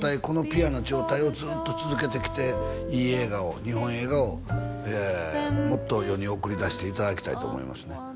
このピュアな状態をずっと続けてきていい映画を日本映画をもっと世に送り出していただきたいと思いますね